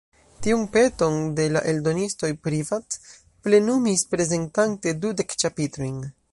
Tiun peton de la eldonistoj Privat plenumis prezentante dudek ĉapitrojn.